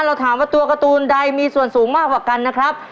เราถามว่าตัวการ์ตูนใดมีส่วนสูงมากกว่ากันนะครับ